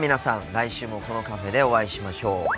来週もこのカフェでお会いしましょう。